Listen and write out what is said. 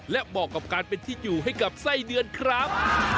และเหมาะกับการเป็นที่อยู่ให้กับไส้เดือนครับ